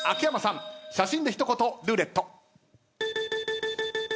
写真で一言ルーレット。